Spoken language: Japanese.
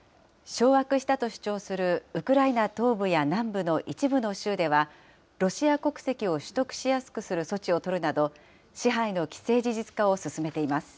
掌握したと主張するウクライナ東部や南部の一部の州では、ロシア国籍を取得しやすくする措置を取るなど、支配の既成事実化を進め